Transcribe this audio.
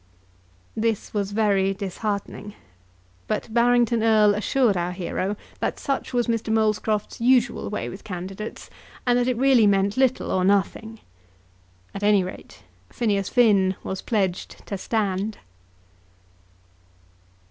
This was very disheartening, but Barrington Erle assured our hero that such was Mr. Molescroft's usual way with candidates, and that it really meant little or nothing. At any rate, Phineas Finn was pledged to stand.